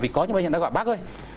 vì có những bây giờ nó gọi bác ơi